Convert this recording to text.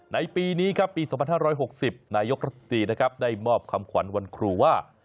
ในปีนี้ปี๒๕๖๐นายกฤตีได้มอบคำขวัญวันครูว่า